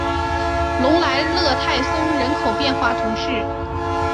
隆莱勒泰松人口变化图示